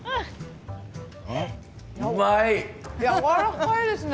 やわらかいですね。